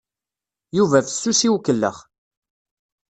Yuba fessus i ukellex.